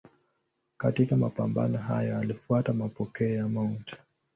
Katika mapambano hayo alifuata mapokeo ya Mt.